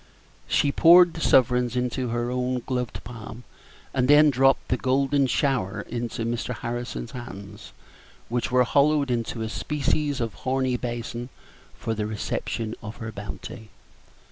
She poured the sovereigns into her own gloved palm, and then dropped the golden shower into Mr. Harrison's hands, which were hollowed into a species of horny basin for the reception of her bounty.